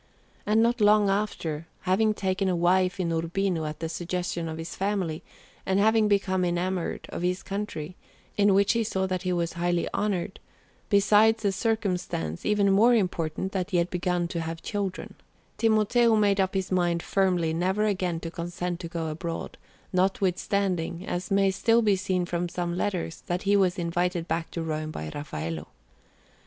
And not long after, having taken a wife in Urbino at the suggestion of his family, and having become enamoured of his country, in which he saw that he was highly honoured, besides the circumstance, even more important, that he had begun to have children, Timoteo made up his mind firmly never again to consent to go abroad, notwithstanding, as may still be seen from some letters, that he was invited back to Rome by Raffaello.